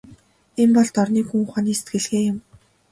Энэ бол дорнын гүн ухааны сэтгэлгээ юм.